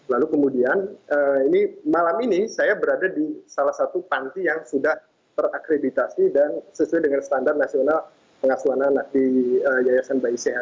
lalu kemudian ini malam ini saya berada di salah satu panti yang sudah terakreditasi dan sesuai dengan standar nasional pengasuhan anak di yayasan bayi sehat